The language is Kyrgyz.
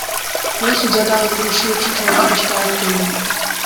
Мен судья дагы көрүшү үчүн чоңойткучту алып келдим.